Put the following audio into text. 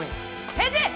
返事！